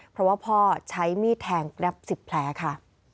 เพราะว่าพ่อใช้มีดแทงแกรป๑๐แผลค่ะ